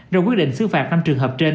rồi quyết định xứ phạm năm trường hợp trên